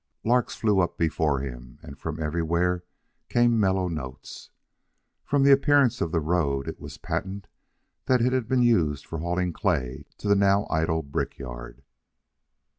Larks flew up before him, and from everywhere came mellow notes. From the appearance of the road it was patent that it had been used for hauling clay to the now idle brickyard.